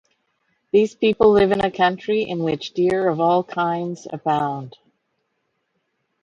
These people live in a country in which deer of all kinds abound.